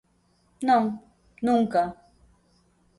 Non, nunca.